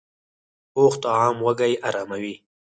پوخ طعام وږې اراموي